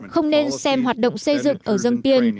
không nên xem hoạt động xây dựng ở giang biên